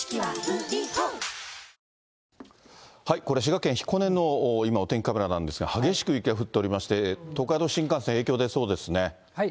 これ、滋賀県彦根の今、お天気カメラなんですが、激しく雪が降っておりまして、東海道新幹線、影響が出そうですね。